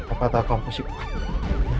apa takut kamu sih pak